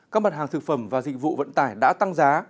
các mặt hàng thực phẩm và dịch vụ vận tải đã tăng giá